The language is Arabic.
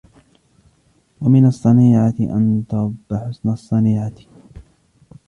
وَمِنْ الصَّنِيعَةِ أَنْ تَرُبَّ حُسْنَ الصَّنِيعَةِ